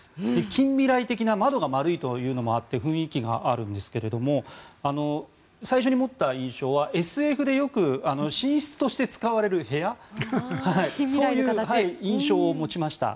近未来的な窓が丸いというのもあって雰囲気があるんですが最初に思った印象はＳＦでよく寝室として使われる部屋そういう印象を持ちました。